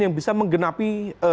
yang bisa menggenapi